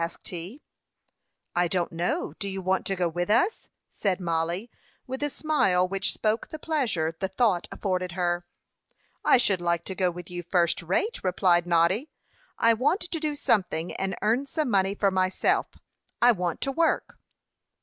asked he. "I don't know. Do you want to go with us?" said Mollie, with a smile which spoke the pleasure the thought afforded her. "I should like to go with you first rate," replied Noddy. "I want to do something, and earn some money for myself. I want to work."